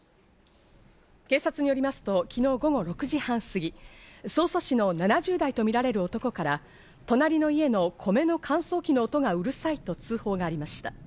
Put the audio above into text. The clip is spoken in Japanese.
警察によりますと昨日午後６時半すぎ、匝瑳市の７０代とみられる男から隣の家の米の乾燥機の音がうるさいと通報がありました。